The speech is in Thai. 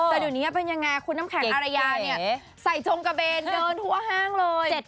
แต่ดีอย่างไรคุณน้ำแข็งอะไรงี้ใส่จงกระเบนเดินทั่วห้างเลย